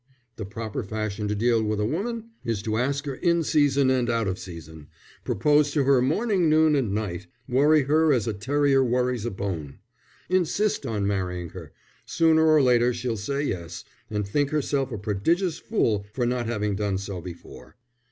The proper fashion to deal with a woman is to ask her in season and out of season. Propose to her morning, noon, and night. Worry her as a terrier worries a bone. Insist on marrying her. Sooner or later she'll say yes, and think herself a prodigious fool for not having done so before."